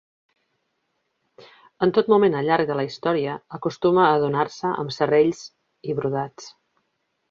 En tot moment al llarg de la història, acostuma a adornar-se amb serrells i brodats.